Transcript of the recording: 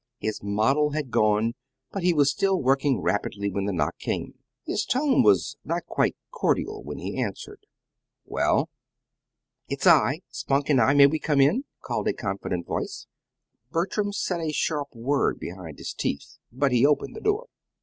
His model had gone, but he was still working rapidly when the knock came. His tone was not quite cordial when he answered. "Well?" "It's I Spunk and I. May we come in?" called a confident voice. Bertram said a sharp word behind his teeth but he opened the door.